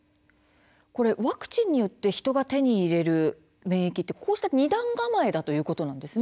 ワクチンによって人が手に入れる免疫は２段構えということなんですね。